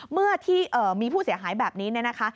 เมื่อที่มีผู้เสียหายแบบนี้เนี่ยนะคะ